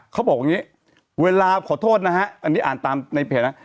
เขาบอกอย่างนี้เวลาขอโทษนะฮะอันนี้อ่านตามในเพจนะ